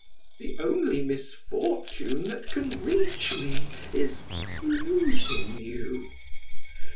The only misfortune that can reach me, is losing you.